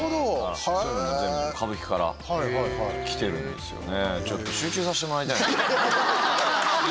そういうのも全部歌舞伎からきてるんですよね。